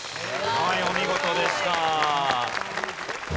はいお見事でした。